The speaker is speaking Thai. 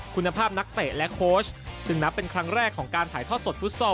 คุณภาพนักเตะและโค้ชซึ่งนับเป็นครั้งแรกของการถ่ายทอดสดฟุตซอล